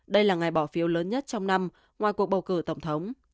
đây là ngày bỏ phiếu lớn nhất trong năm ngoài cuộc bầu cử tổng thống